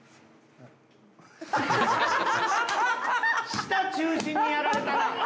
下中心にやられたな！